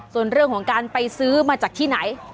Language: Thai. ส่วนเรื่องของการไปซื้อมาจากที่ไหน